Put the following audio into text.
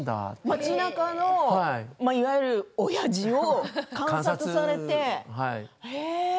街なかのいわゆるオヤジを観察されて。